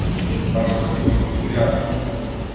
Старецот го испушти јажето.